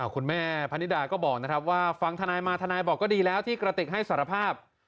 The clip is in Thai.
คุณแม่พนิดาก็บอกนะครับว่าฟังทนายมาทนายบอกก็ดีแล้วที่กระติกให้สารภาพ